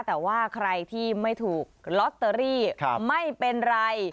แต่ว่าใครที่ไม่ถูกลอตเตอรี่ไม่เป็นไร